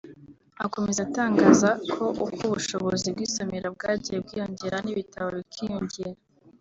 Akomeza atangaza ko uko ubushobozi bw’isomera bwagiye bwiyongera n’ibitabo bikiyongera